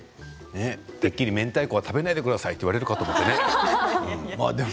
てっきりめんたいこは食べないでくださいと言われるかと思ったね。